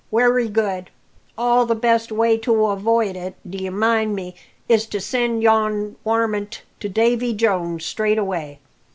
Wery good; all' the best way to awoid it, d'ye mind me, is to send yon warmint to Davy Jones straight away.